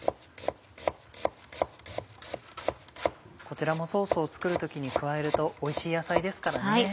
こちらもソースを作る時に加えるとおいしい野菜ですからね。